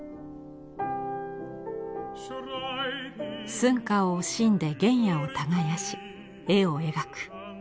寸暇を惜しんで原野を耕し絵を描く。